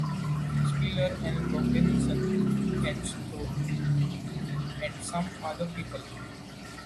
Spiller and Robinson and Stone, and some other people.